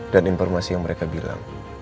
dan informasi yang mereka bilang